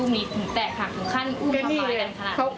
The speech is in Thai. แม่ชีค่ะ